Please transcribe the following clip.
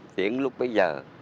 đến lúc bây giờ